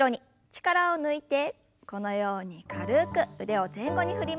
力を抜いてこのように軽く腕を前後に振りましょう。